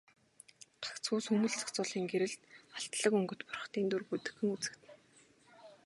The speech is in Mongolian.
Гагцхүү сүүмэлзэх зулын гэрэлд алтлаг өнгөт бурхдын дүр бүдэгхэн үзэгдэнэ.